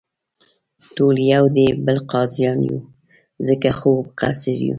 ټول یو دې بل قاضیان یو، ځکه خو مقصر یو.